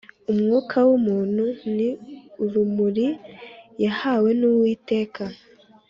Umwuka w umuntu ni urumuri yahawe n Uwiteka